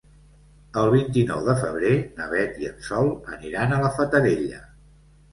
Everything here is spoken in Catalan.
El vint-i-nou de febrer na Beth i en Sol aniran a la Fatarella.